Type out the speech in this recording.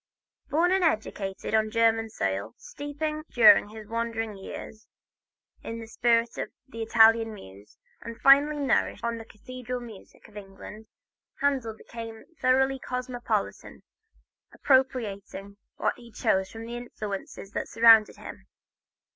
Born and educated on German soil, steeped during his wanderer's years in the spirit of the Italian muse, and finally nourished on the cathedral music of England, Handel became thoroughly cosmopolitan, appropriating what he chose from the influences that surrounded him.